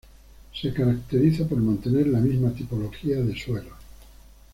Se caracteriza por mantener la misma tipología de suelos.